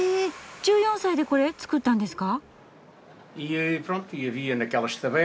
１４歳でこれ作ったんですか！？